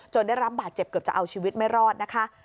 ได้รับบาดเจ็บเกือบจะเอาชีวิตไม่รอดนะคะ